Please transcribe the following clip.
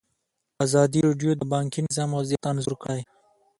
ازادي راډیو د بانکي نظام وضعیت انځور کړی.